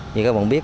như các bạn biết